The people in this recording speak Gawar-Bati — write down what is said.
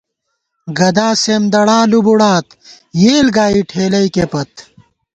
گدا سېمدڑا لُبُڑات ، یېل گائی ٹھېلَئیکے پت